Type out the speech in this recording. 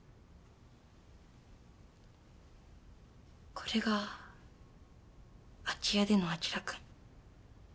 これが空き家での晶くん。